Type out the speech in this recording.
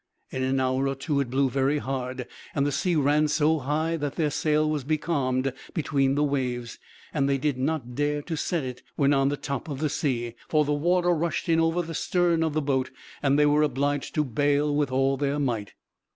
In an hour or two it blew very hard, and the sea ran so high that their sail was becalmed between the waves; they did not dare to set it when on the top of the sea, for the water rushed in over the stern of the boat, and they were obliged to bale with all their might.